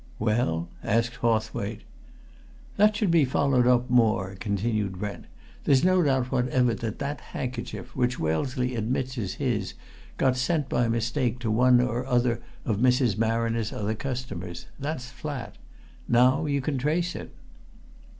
"Well?" asked Hawthwaite. "That should be followed up, more," continued Brent. "There's no doubt whatever that that handkerchief, which Wellesley admits is his, got sent by mistake to one or other of Mrs. Marriner's other customers. That's flat! Now, you can trace it."